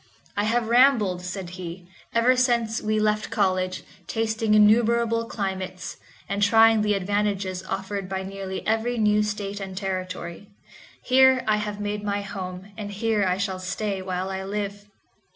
"I have rambled," said he, "ever since we left college, tasting innumerable climates, and trying the advantages offered by nearly every new State and Territory. Here I have made my home, and here I shall stay while I live.